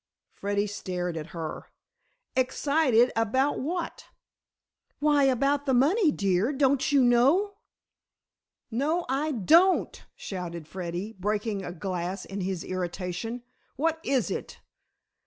Freddy stared at her. "Excited, what about?" "Why, about the money, dear. Don't you know?" "No, I don't!" shouted Freddy, breaking a glass in his irritation. "What is it?